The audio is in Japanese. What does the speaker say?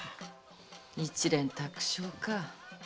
一蓮托生か。